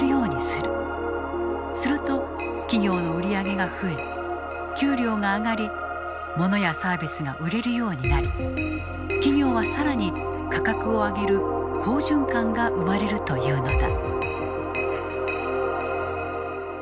すると企業の売り上げが増え給料が上がりモノやサービスが売れるようになり企業はさらに価格を上げる好循環が生まれるというのだ。